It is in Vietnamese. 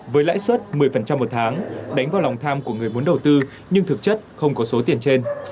với lãi suất một mươi một tháng đánh vào lòng tham của người vốn đầu tư nhưng thực chất không có số tiền trên